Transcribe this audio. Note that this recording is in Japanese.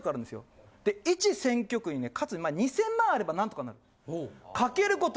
で１選挙区にね勝つ２０００万あればなんとかなる。